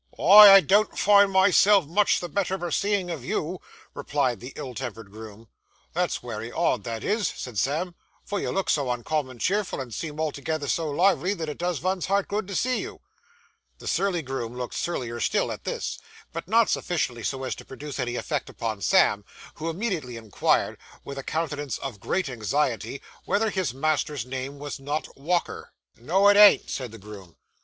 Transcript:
'Why, I don't find myself much the better for seeing of you,' replied the ill tempered groom. 'That's wery odd that is,' said Sam, 'for you look so uncommon cheerful, and seem altogether so lively, that it does vun's heart good to see you.' The surly groom looked surlier still at this, but not sufficiently so to produce any effect upon Sam, who immediately inquired, with a countenance of great anxiety, whether his master's name was not Walker. 'No, it ain't,' said the groom.